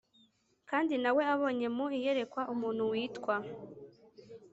Kandi na we abonye mu iyerekwa umuntu witwa